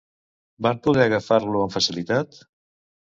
Van poder agafar-lo amb facilitat?